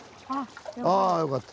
あぁよかった。